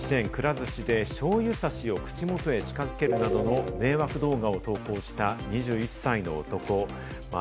回転ずしチェーン・くら寿司でしょうゆ差しを口元へ近づけるなどの迷惑動画を投稿した２１歳の男。